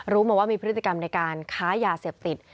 รู้มาว่ามีพฤติกรรมในการค้ายาเสพติด